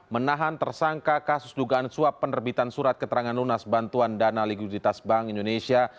menahan tersangka kasus dugaan suap penerbitan surat keterangan lunas bantuan dana likuiditas bank indonesia